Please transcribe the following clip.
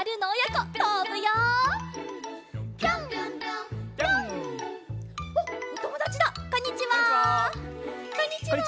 こんにちは。